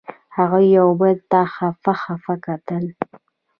هغوی یو بل ته خپه خپه کتل.